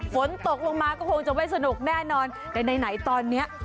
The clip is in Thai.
ฝนตกลงมาก็คงจะไม่สนุกแน่นอนแต่ไหนตอนนี้